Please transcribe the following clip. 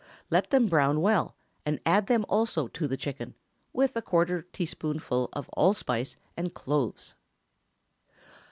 Let them brown well, and add them also to the chicken, with a quarter teaspoonful of allspice and cloves.